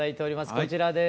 こちらです。